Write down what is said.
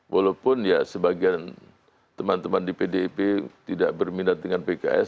walaupun ya sebagian teman teman di pdip tidak berminat dengan pks